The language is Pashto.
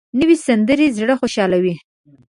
نوې سندره زړه خوشحالوي